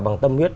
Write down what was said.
bằng tâm huyết